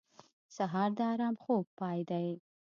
سهار د ارام خوب پای دی.